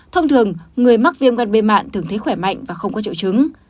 thông thường người mắc viêm gan b mạn thường thấy khỏe mạnh và không có trợ chứng